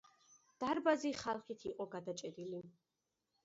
დარბაზი ხალხით იყო გადაჭედილი.